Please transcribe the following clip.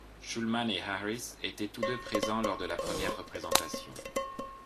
Schuman et Harris étaient tous deux présents lors de la première représentation.